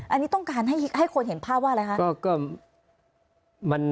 อันนี้ต้องการให้คนเห็นภาพว่าอะไรคะ